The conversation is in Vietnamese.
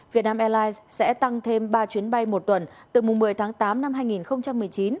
vietnam airlines sẽ tăng thêm ba chuyến bay một tuần từ một mươi tháng tám năm hai nghìn một mươi chín